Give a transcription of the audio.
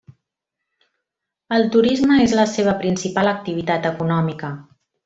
El turisme és la seva principal activitat econòmica.